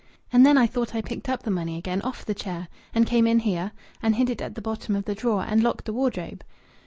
And then I thought I picked up the money again off the chair and came in here and hid it at the bottom of the drawer and locked the wardrobe."